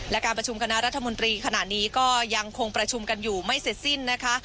และการประชุมคณะรัฐมนตรีขณะนี้ก็ยังคงประชุมกันอยู่ไม่เสร็จสิ้นนะคะ